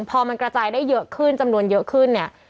พอมันกระจายได้เยอะขึ้นจำนวนเยอะขึ้นเนี่ย